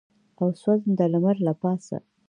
او سوځنده لمر له پاسه.